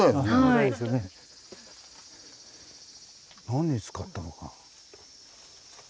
何に使ったのか。